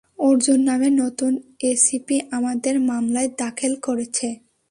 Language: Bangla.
অর্জুন নামে নতুন এসিপি আমাদের মামলায় দাখেল করছে।